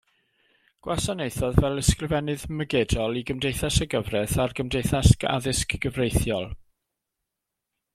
Gwasanaethodd fel ysgrifennydd mygedol i Gymdeithas y Gyfraith a'r Gymdeithas Addysg Gyfreithiol.